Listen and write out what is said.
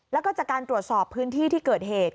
แล้วก็จากการตรวจสอบพื้นที่ที่เกิดเหตุ